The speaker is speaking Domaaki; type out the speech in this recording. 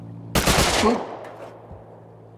څُݸٹ